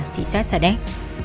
thị xã sà đét